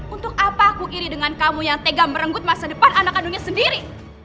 untuk apa aku iri dengan kamu yang tega merenggut masa depan anak kandungnya sendiri